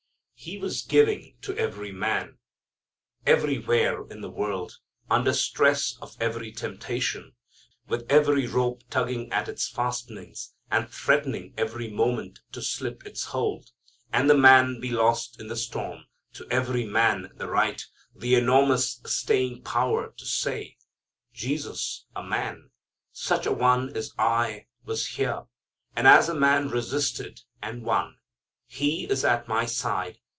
He was giving to every man, everywhere in the world, under stress of every temptation; with every rope tugging at its fastenings, and threatening every moment to slip its hold, and the man be lost in the storm, to every man the right, the enormous staying power to say, "Jesus a _man _ such a one as I was here, and as a man resisted and won. He is at my side.